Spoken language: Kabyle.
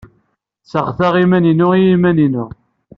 Sseɣtaɣ iman-inu i yiman-inu.